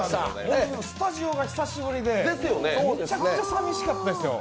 スタジオが久しぶりでめちゃくちゃ寂しかったですよ。